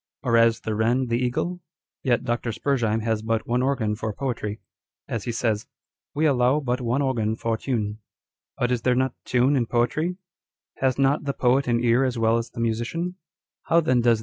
Or as the wren the eagle ? Yet Dr. Spurzheim has but one organ for poetry, as he says â€" " We allow but one organ for tune." But is there not tune in poetry? Has not the 1 Page 275. On Dr. Spurzheim's Theory. 213 poet an ear as well as the musician ? How then does the .